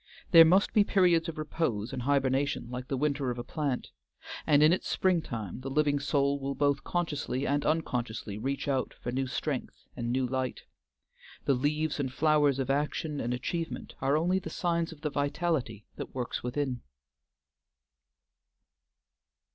There must be periods of repose and hibernation like the winter of a plant, and in its springtime the living soul will both consciously and unconsciously reach out for new strength and new light. The leaves and flowers of action and achievement are only the signs of the vitality that works within.